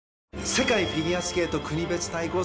世界フィギュアスケート国別対抗戦。